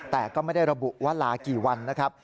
แต่ก็ไม่ได้ระบุว่าลากี่วันนะครับ